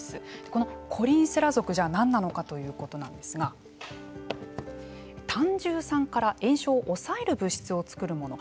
このコリンセラ属何なのかということなんですが胆汁酸から炎症を抑える物質を作るもの。